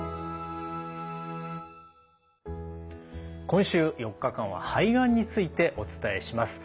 今週４日間は肺がんについてお伝えします。